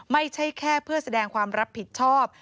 ไม่ใช่แค่เพื่อแสดงความรับผิดชอบ